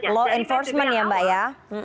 law enforcement ya mbak ya